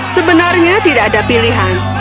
sebenarnya tidak ada pilihan